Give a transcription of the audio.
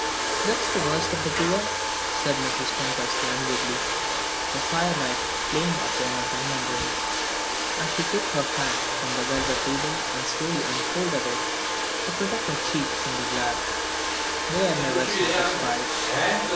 "That's the worst of the poor," said Mrs. Tempest languidly, the firelight playing upon her diamond rings, as she took her fan from the velvet table and slowly unfolded it, to protect her cheek from the glare, "they are never satisfied."